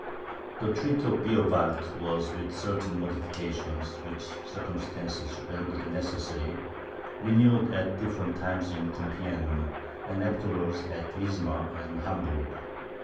The treaty of Beerwald was, with certain modifications, which circumstances rendered necessary, renewed at different times at Compiegne, and afterwards at Wismar and Hamburg.